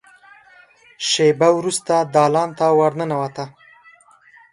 شېبه وروسته دالان ته ور ننوته.